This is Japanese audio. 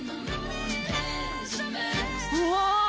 うわ！